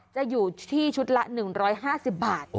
จะอยู่ชุดละ๕๕๐บาท